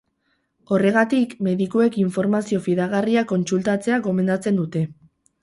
Horregatik, medikuek informazio fidagarria kontsultatzea gomendatzen dute.